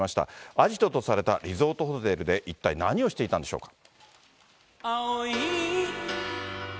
アジトとされたリゾートホテルで、一体何をしていたんでしょうか。